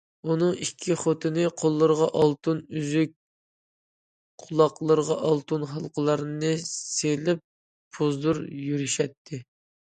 ئۇنىڭ ئىككى خوتۇنى قوللىرىغا ئالتۇن ئۈزۈك، قۇلاقلىرىغا ئالتۇن ھالقىلارنى سېلىپ پۇزۇر يۈرۈشەتتى.